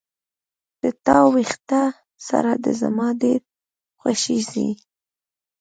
د تا وېښته سره ده زما ډیر خوښیږي